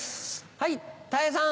はいたい平さん。